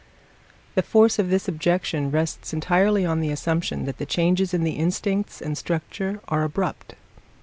The force of this objection rests entirely on the assumption that the changes in the instincts and structure are abrupt.